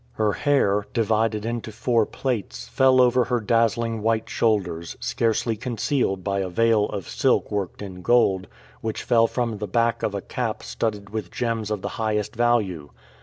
Her hair, divided into four plaits, fell over her dazzling white shoulders, scarcely concealed by a veil of silk worked in gold, which fell from the back of a cap studded with gems of the highest value.